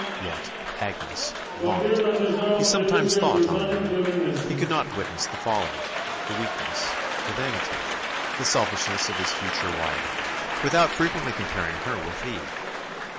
Yet, Agnes, vaunt! he sometimes thought on thee he could not witness the folly, the weakness, the vanity, the selfishness of his future wife, without frequently comparing her with thee.